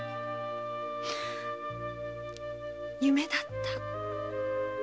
夢だった。